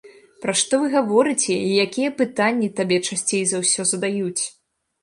Пра што вы гаворыце, і якія пытанні табе часцей за ўсё задаюць?